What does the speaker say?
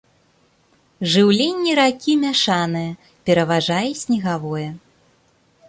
Жыўленне ракі мяшанае, пераважае снегавое.